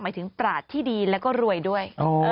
หมายถึงปราศที่ดีแล้วก็รวยด้วย